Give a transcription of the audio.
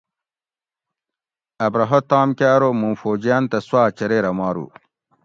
ابرھہ تام کہ ارو مُو فوجیان تہ سوآ چریرہ مارو